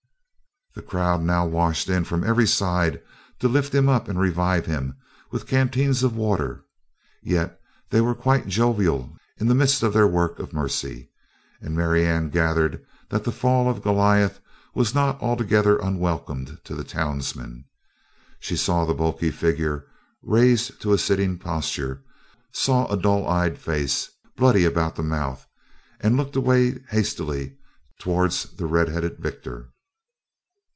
The crowd now washed in from every side to lift him up and revive him with canteens of water, yet they were quite jovial in the midst of their work of mercy and Marianne gathered that the fall of Goliath was not altogether unwelcome to the townsmen. She saw the bulky figure raised to a sitting posture, saw a dull eyed face, bloody about the mouth, and looked away hastily towards the red headed victor.